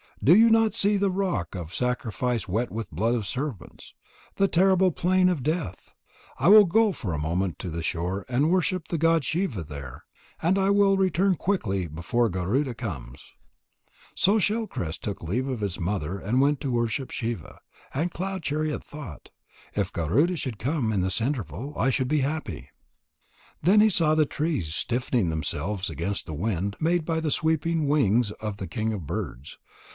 Do you not see the rock of sacrifice wet with the blood of serpents, the terrible plaything of Death? I will go for a moment to the shore and worship the god Shiva there. And I will return quickly before Garuda comes." So Shell crest took leave of his mother and went to worship Shiva. And Cloud chariot thought: "If Garuda should come in this interval, I should be happy." Then he saw the trees stiffening themselves against the wind made by the sweeping wings of the king of birds.